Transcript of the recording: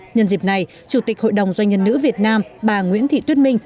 nhân dịp này chủ tịch hội đồng doanh nhân nữ việt nam bà nguyễn thị tuyết minh